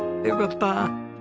よかった。